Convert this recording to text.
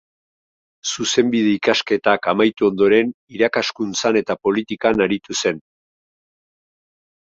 Zuzenbide ikasketak amaitu ondoren irakaskuntzan eta politikan aritu zen.